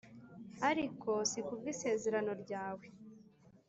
ariko si ku bw’isezerano ryawe